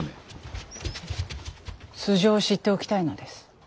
素性を知っておきたいのです